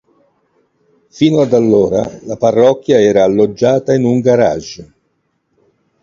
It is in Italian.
Fino ad allora la parrocchia era alloggiata in un garage.